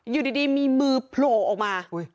อยู่ดีมีมือโผล่ออกมา